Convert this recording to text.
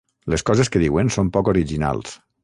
Les coses que diuen són poc originals.